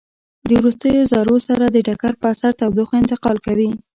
د وروستیو ذرو سره د ټکر په اثر تودوخه انتقال کوي.